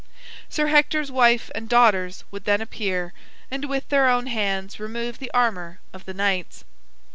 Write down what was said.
Sir Hector's wife and daughters would then appear, and with their own hands remove the armor of the knights.